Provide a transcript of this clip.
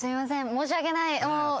申し訳ない。